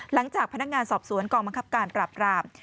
หลังจากพนักงานสอบสวนกองบังคับการปราบราม